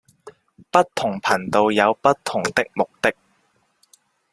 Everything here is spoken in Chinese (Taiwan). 不同頻道有不同的目的